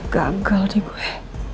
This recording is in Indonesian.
gagal deh gua